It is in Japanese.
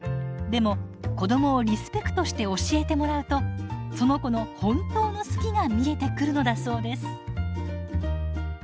でも子どもをリスペクトして教えてもらうとその子の本当の「好き」が見えてくるのだそうです。